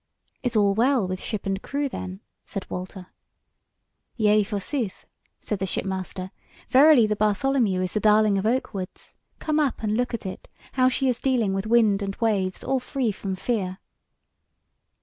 "Is all well with ship and crew then?" said Walter. "Yea forsooth," said the shipmaster; "verily the Bartholomew is the darling of Oak Woods; come up and look at it, how she is dealing with wind and waves all free from fear."